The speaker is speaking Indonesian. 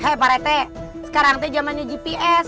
hei pak retek sekarang teg zamannya gps